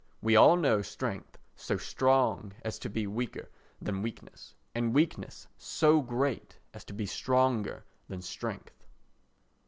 We all know strength so strong as to be weaker than weakness and weakness so great as to be stronger than strength.